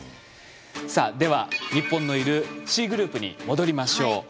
さあでは日本のいるＣグループに戻りましょう。